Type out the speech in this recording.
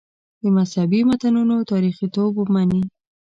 د مذهبي متنونو تاریخیتوب مني.